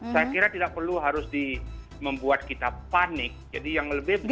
saya kira tidak perlu harus membuat kita panik jadi yang lebih baik